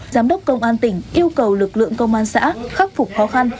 giám đốc công an tỉnh yêu cầu lực lượng công an xã khắc phục khó khăn